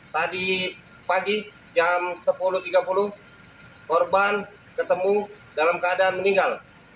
tadi pagi jam sepuluh tiga puluh korban ketemu dalam keadaan meninggal